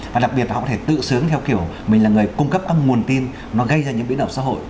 và đặc biệt họ có thể tự sướng theo kiểu mình là người cung cấp các nguồn tin nó gây ra những biến đổi xã hội